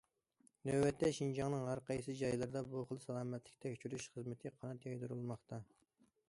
نۆۋەتتە شىنجاڭنىڭ ھەر قايسى جايلىرىدا بۇ خىل سالامەتلىك تەكشۈرۈش خىزمىتى قانات يايدۇرۇلماقتا.